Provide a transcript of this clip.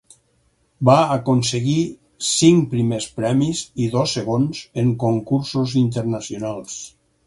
Va aconseguir cinc primers premis i dos segons en concursos internacionals.